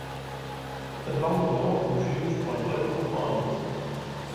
The lumbermill was used by local farmers.